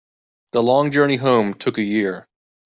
The long journey home took a year.